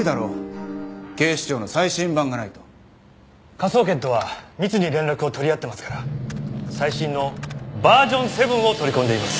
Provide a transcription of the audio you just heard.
科捜研とは密に連絡を取り合ってますから最新のバージョン７を取り込んでいます。